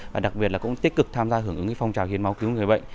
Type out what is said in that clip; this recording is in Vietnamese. và đặc biệt là cũng tích cực tham gia hưởng ứng phong trào hiến máu cứu người bệnh